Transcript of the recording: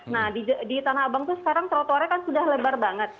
nah di tanah abang itu sekarang trotoarnya kan sudah lebar banget